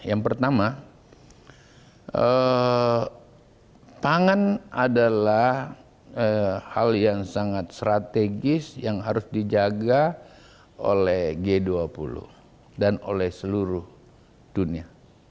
yang pertama pangan adalah hal yang sangat strategis yang harus dijaga oleh g dua puluh dan oleh seluruh dunia